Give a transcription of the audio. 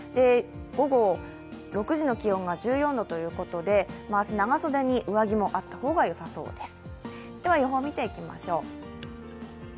午後６時の気温が１４度ということで明日、長袖に上着もあった方がよさそうです。